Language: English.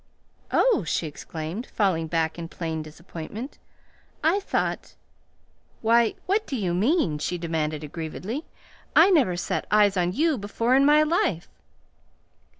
"Oh!" she exclaimed, falling back in plain disappointment. "I thought Why, what do you mean?" she demanded aggrievedly. "I never set eyes on you before in my life."